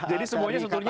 jadi semuanya sebetulnya